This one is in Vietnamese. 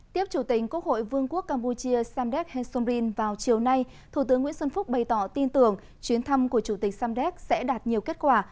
tiếp chủ tịch quốc hội vương quốc campuchia samdek heng somrin vào chiều nay thủ tướng nguyễn xuân phúc bày tỏ tin tưởng chuyến thăm của chủ tịch samdek sẽ đạt nhiều kết quả